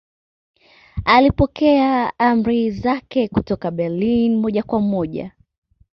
Alipokea amri zake kutoka Berlin moja kwa moja